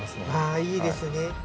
あいいですね。